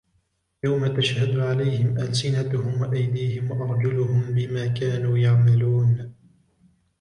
يوم تشهد عليهم ألسنتهم وأيديهم وأرجلهم بما كانوا يعملون